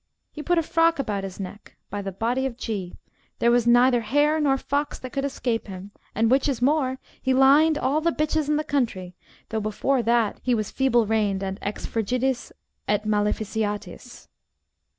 He put a frock about his neck: by the body of G , there was neither hare nor fox that could escape him, and, which is more, he lined all the bitches in the country, though before that he was feeble reined and ex frigidis et maleficiatis.